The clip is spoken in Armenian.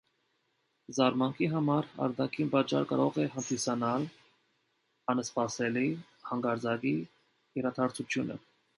Զարմանքի համար արտաքին պատճառ կարող է հանդիսանալ անսպասելի, հանկարծակի իրադարձությունը։